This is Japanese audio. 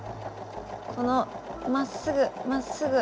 このまっすぐまっすぐ。